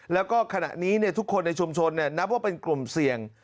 แล้วก็ขณะนี้ทุกคนในชุมชนนับว่าเป็นกลุ่มเสี่ยง